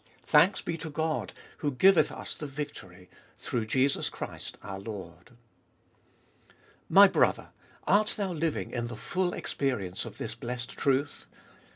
Thanks be to God who giveth us the victory, through Jesus Christ our Lord." My brother ! art thou living in the full experience of this blessed truth